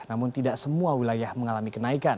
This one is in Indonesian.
namun tidak semua wilayah mengalami kenaikan